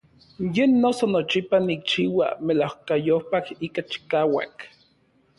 Yen noso nochipa nikchiua melajkayopaj ika chikauak.